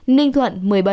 ninh thuận một mươi bảy